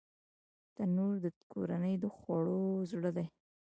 تنور د کورنۍ د خوړو زړه دی